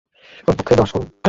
কমপক্ষে দশ করুন।